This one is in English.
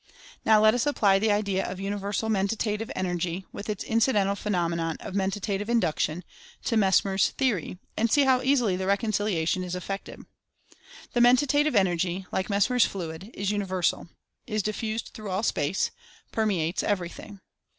Now, let us apply the idea of Universal Mentative Energy, with its incidental phenomena of Mentative Induction, to Mesmer's theory, and see how easily the reconciliation is effected. The Mentative Energy, like Mesmer's "fluid," is Universal ; is diffused through all space; permeates everything.